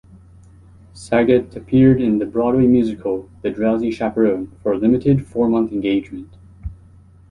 Saget appeared in the Broadway musical "The Drowsy Chaperone" for a limited four-month engagement.